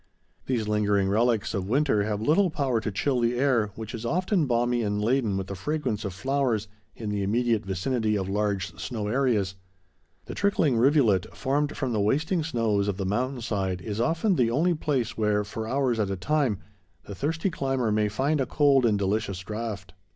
These lingering relics of winter have little power to chill the air, which is often balmy and laden with the fragrance of flowers, in the immediate vicinity of large snow areas. The trickling rivulet, formed from the wasting snows of the mountain side, is often the only place where, for hours at a time, the thirsty climber may find a cold and delicious draught.